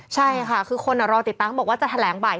ใช่ค่ะคือคนรอติดตั้งบอกว่าจะแถลงบ่าย